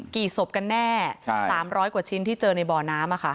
ศพกันแน่๓๐๐กว่าชิ้นที่เจอในบ่อน้ำ